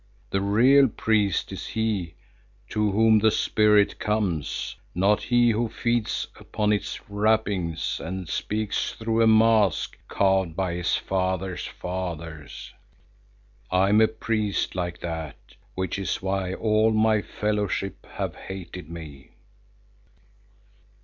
The real priest is he to whom the Spirit comes, not he who feeds upon its wrappings, and speaks through a mask carved by his father's fathers. I am a priest like that, which is why all my fellowship have hated me."